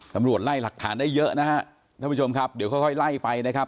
ตำรวจไล่หลักฐานได้เยอะนะฮะท่านผู้ชมครับเดี๋ยวค่อยค่อยไล่ไปนะครับ